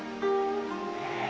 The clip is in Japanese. え。